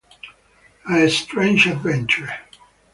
A Strange Adventure